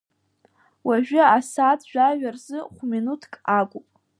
Уажәы асааҭ жәаҩа рзы хәминуҭк агуп.